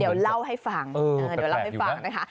เดี๋ยวเล่าให้ฟังนะคะ